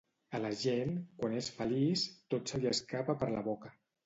A la gent, quan és feliç, tot se li escapa per la boca.